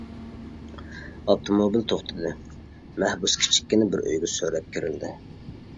ئاپتوموبىل توختىدى، مەھبۇس كىچىككىنە بىر ئۆيگە سۆرەپ كىرىلدى.